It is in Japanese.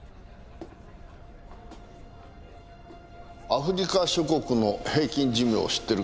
アフリカ諸国の平均寿命を知ってるかい？